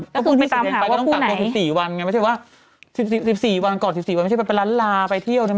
ก็พูดไม่ตามกันไปก็ต้องกักตัว๑๔วันไงไม่ใช่ว่า๑๔วันก่อน๑๔วันไม่ใช่ไปร้านลาไปเที่ยวนะ